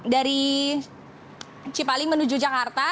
dari cipali menuju jakarta